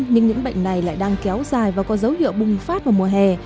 nhưng những bệnh này lại đang kéo dài và có dấu hiệu bùng phát vào mùa hè